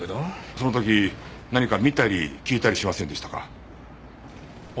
その時何か見たり聞いたりしませんでしたか？